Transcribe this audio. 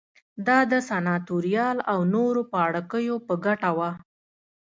دا د سناتوریال او نورو پاړوکیو په ګټه وه